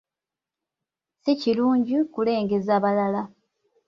Si kirungi kulengezza balala.